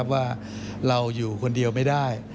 ว่าเราอยู่คนเดียวไม่ได้